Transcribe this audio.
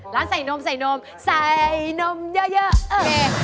ร้านใส่นมใส่นมเยอะโอเคไปร้านใส่นม